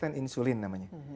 resisten insulin namanya